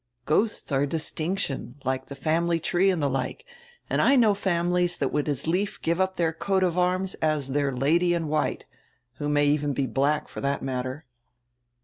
Ghosts are a distinction, like the family tree and die like, and I know families that would as lief give up their coat of arms as their 'Lady in white,' who may even be in black, for that matter."